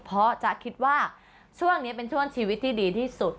เพราะจ๊ะคิดว่าช่วงนี้เป็นช่วงชีวิตที่ดีที่สุด